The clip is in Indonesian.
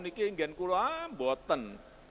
ini enggak ada yang mau buatan